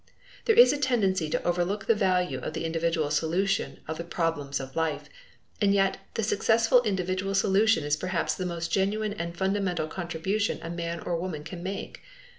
There is a tendency to overlook the value of the individual solution of the problems of life, and yet, the successful individual solution is perhaps the most genuine and fundamental contribution a man or woman can make.